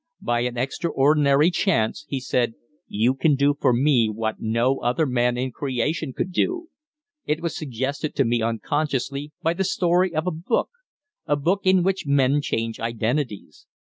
"By an extraordinary chance," he said, "you can do for me what no other man in creation could do. It was suggested to me unconsciously by the story of a book a book in which men change identities.